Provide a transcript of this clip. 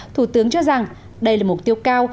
thủ tướng cho rằng đây là mục tiêu cao